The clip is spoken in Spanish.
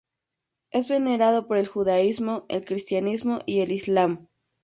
Es venerado por el judaísmo, el cristianismo y el islam.